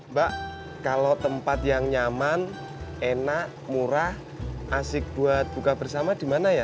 mbak kalau tempat yang nyaman enak murah asik buat buka bersama di mana ya